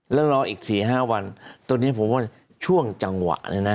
แล้วรออีก๔๕วันตอนนี้ผมว่าช่วงจังหวะเนี่ยนะ